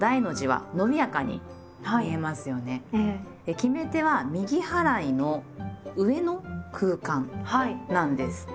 決め手は「右払いの上の空間」なんです。